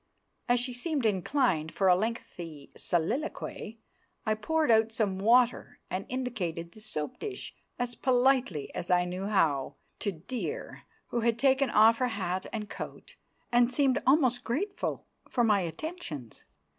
As she seemed inclined for a lengthy soliloquy, I poured out some water and indicated the soap dish, as politely as I knew how, to Dear, who had taken off her hat and coat, and seemed almost grateful for my attentions.